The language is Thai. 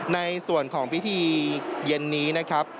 ในส่วนของพิธีเย็นนี้นะครับ